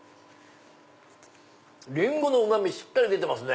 リンゴのうま味しっかり出てますね。